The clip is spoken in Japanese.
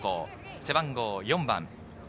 背番号４番。